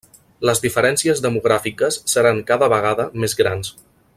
Les diferències demogràfiques seran cada vegada més grans.